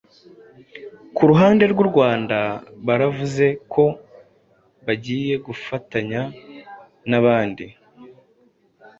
ku ruhande rw'u Rwanda baravuze ko bagiye gufatanya na nabandi